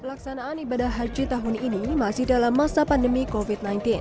pelaksanaan ibadah haji tahun ini masih dalam masa pandemi covid sembilan belas